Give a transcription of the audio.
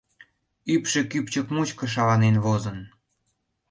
Ӱпшӧ кӱпчык мучко шаланен возын.